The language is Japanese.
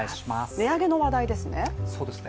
値上げの話題ですね。